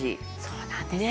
そうなんですよね。